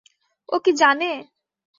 ও কি জানে?